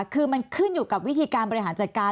คือมันขึ้นอยู่กับวิธีการบริหารจัดการ